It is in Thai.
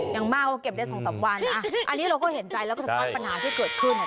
อย่างมากก็เก็บได้๒๓วันอันนี้เราก็เห็นใจแล้วก็สะท้อนปัญหาที่เกิดขึ้น